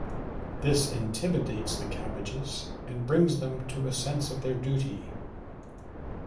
This intimidates the cabbages and brings them to a sense of their duty.